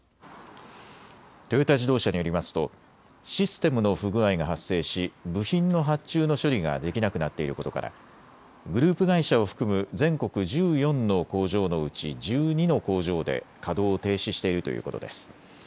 トヨタ自動車によりますとシステムの不具合が発生し部品の発注の処理ができなくなっていることからグループ会社を含む全国１４の工場のうち１２の工場で稼働を停止しているということです。